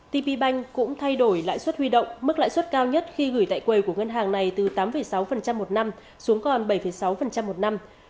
tp bank cũng thay đổi lãi suất huy động mức lãi suất cao nhất khi gửi tại quầy của ngân hàng này từ tám sáu một năm xuống còn bảy sáu một năm